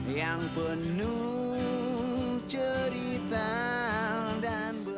yang penuh cerita